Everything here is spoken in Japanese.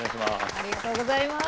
ありがとうございます。